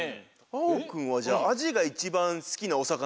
あおくんはじゃあアジがいちばんすきなおさかなってこと？